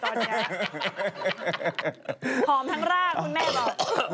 หอมทั้งร่างคุณแม่บอก